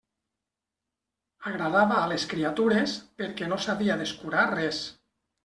Agradava a les criatures, perquè no s'havia d'escurar res.